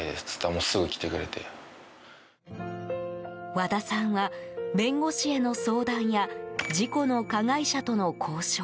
和田さんは、弁護士への相談や事故の加害者との交渉